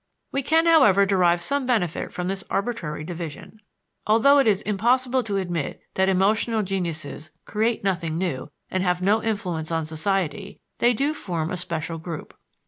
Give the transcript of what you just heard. We can, however, derive some benefit from this arbitrary division. Although it is impossible to admit that "emotional geniuses" create nothing new and have no influence on society, they do form a special group.